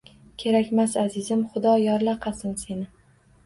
Kerakmas, azizim. Xudo yorlaqasin seni.